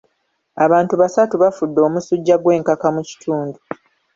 Abantu basatu bafudde omusujja gw'enkaka mu kitundu